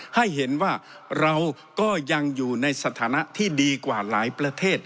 ให้เห็นว่าเราก็ยังอยู่ในสถานะที่ดีกว่าหลายประเทศ